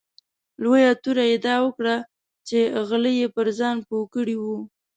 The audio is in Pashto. لویه توره یې دا وکړه چې غله یې پر ځان پوه کړي وو.